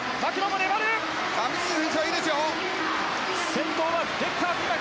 先頭はデッカーズ。